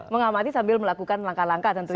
mengamati sambil melakukan langkah langkah tentunya